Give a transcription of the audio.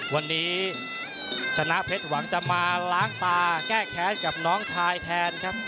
วันนี้ชนะเพชรหวังจะมาล้างตาแก้แค้นกับน้องชายแทนครับ